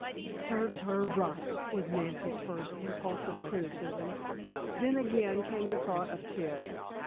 "Serves her right!" was Nancy's first impulsive criticism. Then again came the thought of Ted.